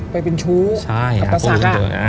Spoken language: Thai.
ไปเป็นชู้กับปศักดิ์